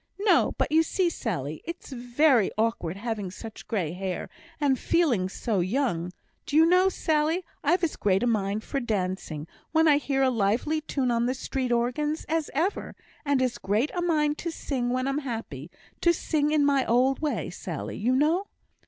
"No! but you see, Sally, it's very awkward having such grey hair, and feeling so young. Do you know, Sally, I've as great a mind for dancing, when I hear a lively tune on the street organs, as ever; and as great a mind to sing when I'm happy to sing in my old way, Sally, you know."